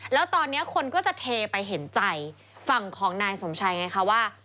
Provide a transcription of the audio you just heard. แล้วตอนนี้คนก็จะเทไปเห็นใจฝั่งของนายสมชัยไงคะว่า